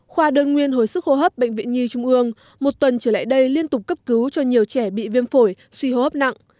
khoa đơn nguyên hồi sức hô hấp bệnh viện nhi trung ương một tuần trở lại đây liên tục cấp cứu cho nhiều trẻ bị viêm phổi suy hô hấp nặng